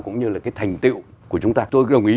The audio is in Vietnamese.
cũng như là cái thành tiệu của chúng ta tôi gợng ý